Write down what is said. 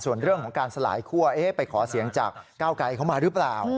ส่วนเรื่องของการสลายคั่วไปขอเสียงจากก้าวไกลเขามาหรือเปล่า